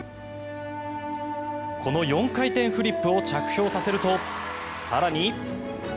この４回転フリップを着氷させると、更に。